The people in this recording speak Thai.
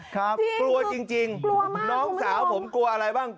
กลัวจริงน้องสาวของผมกลัวอะไรบ้าง